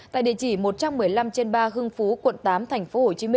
tại địa chỉ một trăm một mươi năm trên ba hưng phú quận tám tp hcm